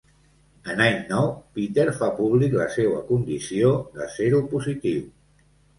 En any nou, Peter fa públic la seua condició de seropositiu.